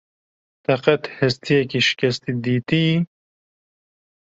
Te qet hestiyekî şikesti dîtiyî?